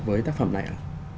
với tác phẩm này ạ